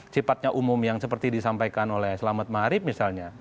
sifatnya umum yang seperti disampaikan oleh selamat maret misalnya